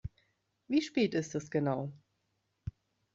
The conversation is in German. Wie spät ist es genau?